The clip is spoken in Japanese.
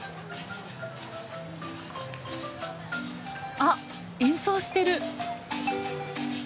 あっ演奏してる。